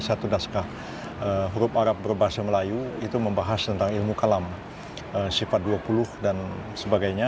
satu naskah huruf arab berbahasa melayu itu membahas tentang ilmu kalam sifat dua puluh dan sebagainya